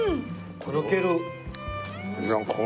とろける。